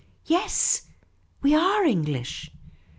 Yes, we are English."